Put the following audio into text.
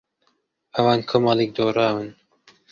ئەوان کۆمەڵێک دۆڕاون.